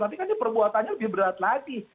tapi kan ini perbuatannya lebih berat lagi